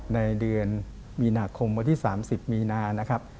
ในเดือนมีนาคมวันที่๓๐มีนานะครับ